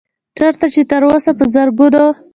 چرته چې تر اوسه پۀ زرګونو